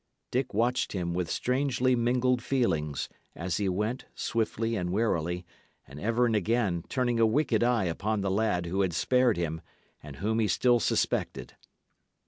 Dick watched him with strangely mingled feelings, as he went, swiftly and warily, and ever and again turning a wicked eye upon the lad who had spared him, and whom he still suspected.